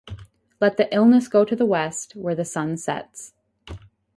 Let the illness go to the west, where the sun sets.